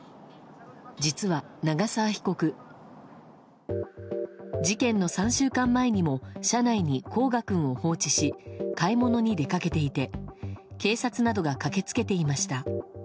実は、長沢被告事件の３週間前にも車内に煌翔君を放置し買い物に出かけていて警察などが駆けつけていました。